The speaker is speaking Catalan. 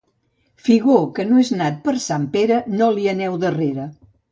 Figó que no és nat per Sant Pere no li aneu darrere.